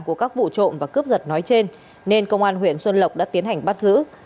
của các vụ trộm và cướp giật nói trên nên công an huyện xuân lộc đã tiến hành bắt giữ